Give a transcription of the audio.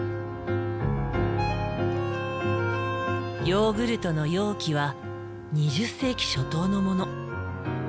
ヨーグルトの容器は２０世紀初頭のもの。